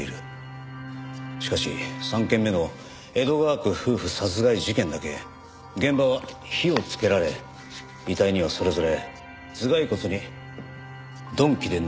しかし３件目の江戸川区夫婦殺害事件だけ現場は火をつけられ遺体にはそれぞれ頭蓋骨に鈍器で殴られた形跡があった。